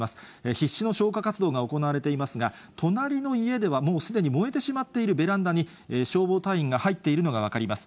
必死の消火活動が行われていますが、隣の家ではもうすでに燃えてしまっているベランダに消防隊員が入っているのが分かります。